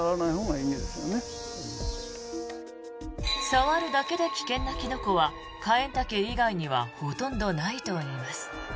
触るだけで危険なキノコはカエンタケ以外にはほとんどないといいます。